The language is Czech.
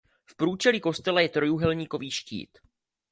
V průčelí kostela je trojúhelníkový štít.